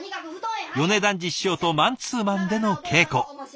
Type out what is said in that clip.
米團治師匠とマンツーマンでの稽古。